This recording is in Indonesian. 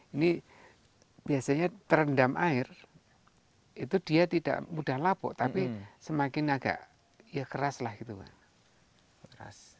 ini biasanya terendam air itu dia tidak mudah lapuk tapi semakin agak ya keras lah gitu pak keras